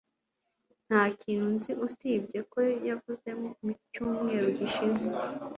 Nta kindi nzi usibye ko yavuye mu cyumweru gishize